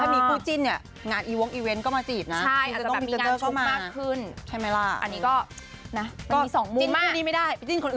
และถ้ามีคู่จิ้นเนี่ย